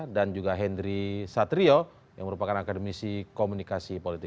dan juga hendri satrio yang merupakan akademisi komunikasi politik